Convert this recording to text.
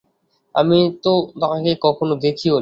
আমি তো তাঁকে কখনও দেখিওনি।